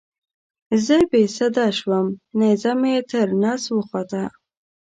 زه بې سده شوم نیزه مې تر نس وخوته.